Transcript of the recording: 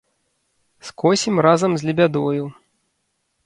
Скосім разам з лебядою.